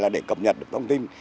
để cập nhật được thông tin